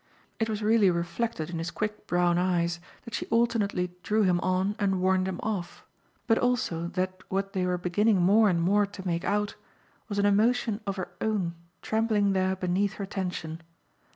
It was really reflected in his quick brown eyes that she alternately drew him on and warned him off, but also that what they were beginning more and more to make out was an emotion of her own trembling there beneath her tension.